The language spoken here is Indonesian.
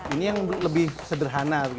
ini yang lebih sederhana gitu ya